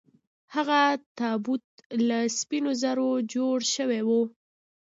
هغه تابوت له سپینو زرو جوړ شوی و.